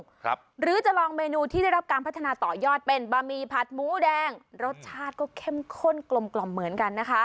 หรือจะลองเมนูที่ได้รับการพัฒนาต่อยอดเป็นบะหมี่ผัดหมูแดงรสชาติก็เข้มข้นกลมกล่อมเหมือนกันนะคะ